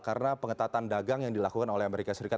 karena pengetatan dagang yang dilakukan oleh amerika serikat